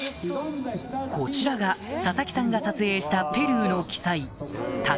こちらが佐々木さんが撮影したペルーの奇祭